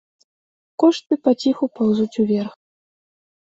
Кошты паціху паўзуць уверх.